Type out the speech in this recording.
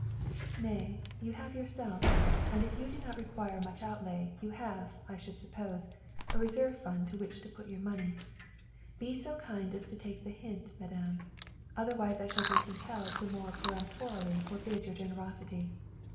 "Nay, you have yourself. And if you do not require much outlay, you have, I should suppose, a reserve fund to which to put your money. Be so kind as to take the hint, madame, otherwise I shall be compelled more peremptorily to forbid your generosity.